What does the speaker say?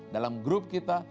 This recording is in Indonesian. dalam grup kita